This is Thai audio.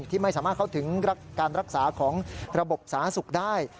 ที่ไม่สามารถเข้าถึงการรักษาของระบบสาธารณสุขได้